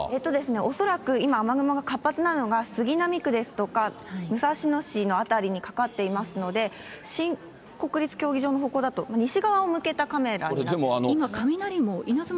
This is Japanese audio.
恐らく今、雨雲が活発なのが杉並区とか武蔵野市の辺りにかかっていますので、新国立競技場の方向だと、西側に向けた西側を向けたカメラになります。